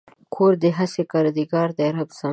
ګوره هسې کردګار دی رب زما